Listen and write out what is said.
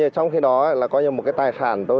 trong khi đó là một tài sản